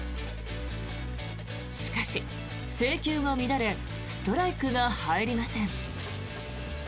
しかし、制球が乱れストライクが入りません。